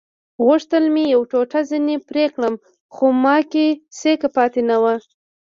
غوښتل مې یوه ټوټه ځینې پرې کړم خو ما کې سېک پاتې نه وو.